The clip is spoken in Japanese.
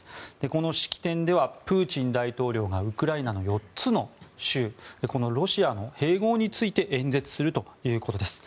この式典ではプーチン大統領がウクライナの４つの州ロシアの併合について演説するということです。